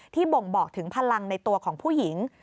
บ่งบอกถึงพลังในตัวของผู้หญิง